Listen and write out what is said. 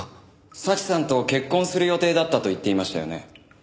早智さんと結婚する予定だったと言っていましたよね？